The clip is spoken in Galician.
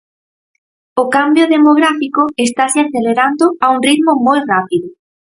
O cambio demográfico estase acelerando a un ritmo moi rápido.